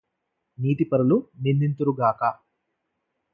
నీతిపరులు నిందింతురుగాక